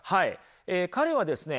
彼はですね